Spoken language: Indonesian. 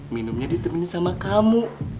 minumnya ditemuin sama kamu